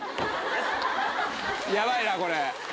ヤバいなこれ。